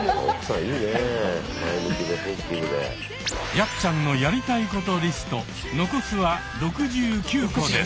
やっちゃんのやりたいことリスト残すは６９個です。